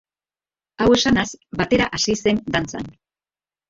Hau esanaz batera hasi zen dantzan.